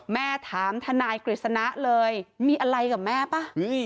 แม่ถามทนายกฤษณะเลยมีอะไรกับแม่ป่ะ